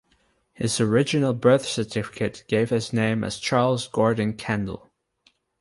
His original birth certificate gave his name as Charles Gordon Kendall.